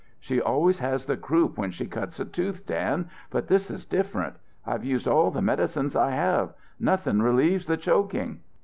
"She always has the croup when she cuts a tooth, Dan, but this is different. I've used all the medicines I have nothing relieves the choking."